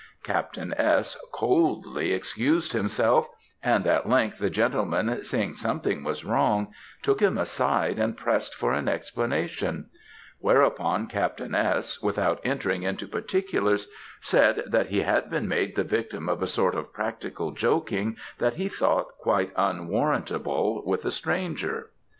Captain S. coldly excused himself and, at length, the gentleman seeing something was wrong, took him aside, and pressed for an explanation; whereupon Captain S., without entering into particulars, said that he had been made the victim of a sort of practical joking that he thought quite unwarrantable with a stranger.